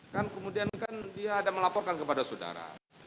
kan kemudian kan dia ada melaporkan kepada saudara